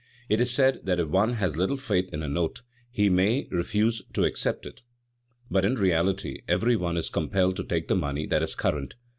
It is said that if one has little faith in a note, he may refuse to accept it. But in reality every one is compelled to take the money that is current.